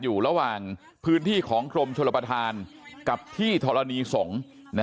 อยู่ระหว่างพื้นที่ของกรมชลประธานกับที่ธรณีสงฆ์